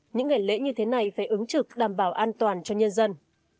những ngày lễ như thế này phải ứng trực đảm bảo an toàn cho nhân dân